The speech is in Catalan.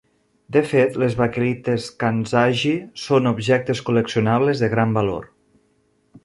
De fet, les baquelites kanzashi són objectes col·leccionables de gran valor.